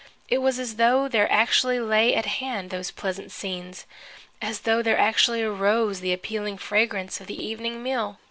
It was as though there actually lay at hand these pleasant scenes, as though there actually arose the appealing fragrance of the evening meal.